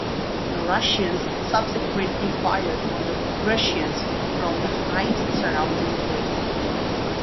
The Russians subsequently fired on the Prussians from the heights surrounding Kay.